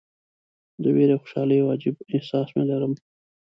د ویرې او خوشالۍ یو عجیب احساس مې لرم.